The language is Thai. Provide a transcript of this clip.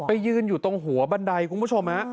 ยืนอยู่ตรงหัวบันไดคุณผู้ชมฮะ